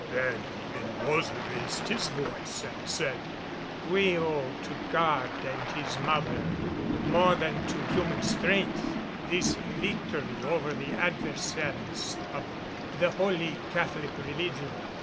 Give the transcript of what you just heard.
Then Mendoza raised his voice and said, "We owe to God and His mother, more than to human strength, this victory over the adversaries of the holy Catholic religion.